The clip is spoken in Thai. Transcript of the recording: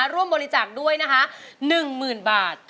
ร่วมบริจาคด้วยนะคะ๑๐๐๐บาท